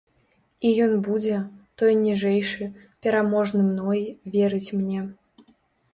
І ён будзе, той ніжэйшы, пераможны мной, верыць мне.